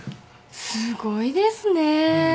すごいですね。